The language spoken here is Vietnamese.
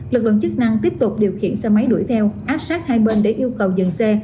lực lượng chức năng tiếp tục điều khiển xe máy đuổi theo áp sát hai bên để yêu cầu dừng xe